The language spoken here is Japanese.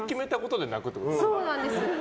そうなんです。